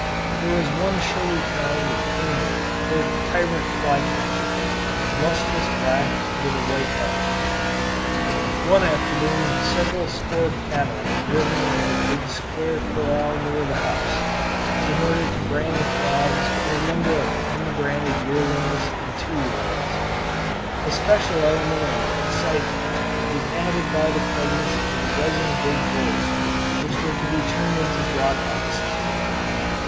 There was one showy kind of king bird or tyrant flycatcher, lustrous black with a white head. One afternoon several score cattle were driven into a big square corral near the house, in order to brand the calves and a number of unbranded yearlings and two year olds. A special element of excitement was added by the presence of a dozen big bulls which were to be turned into draught oxen.